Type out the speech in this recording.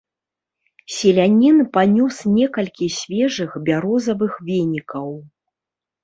Селянін панёс некалькі свежых бярозавых венікаў.